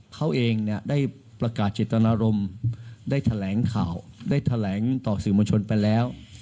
เขาเองเนี่ยได้ประกาศเจตนารมณ์ได้แถลงข่าวได้แถลงต่อสื่อมวลชนไปแล้ว